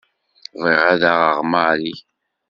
Bɣiɣ ad aɣeɣ Marie.